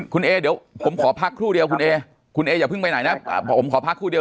คุณเอเดี๋ยวผมขอพักครู่เดียวคุณเอคุณเอออย่าเพิ่งไปไหนนะผมขอพักครู่เดียว